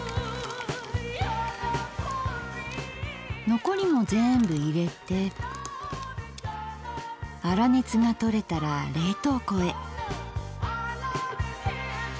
残りも全部入れて粗熱が取れたら冷凍庫へ。